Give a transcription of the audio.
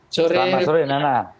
selamat sore nana